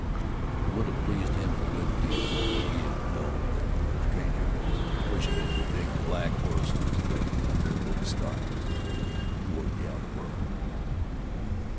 It would have pleased him a good deal could he have known that the stranger was pushing his big black horse on his way, under those stars, toward the outer world.